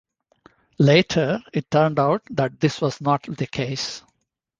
Later it turned out that this was not the case.